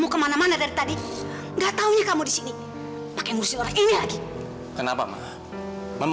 sampai jumpa di video selanjutnya